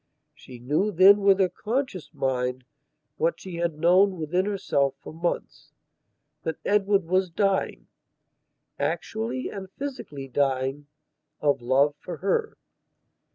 She knew then with her conscious mind what she had known within herself for monthsthat Edward was dyingactually and physically dyingof love for her.